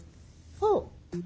あっ。